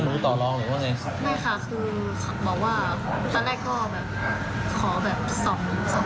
ไม่ค่ะคือเขาบอกว่าตั้งแต่ก็ขอแบบ๒วันได้ไหม